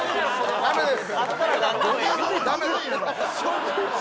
ダメです。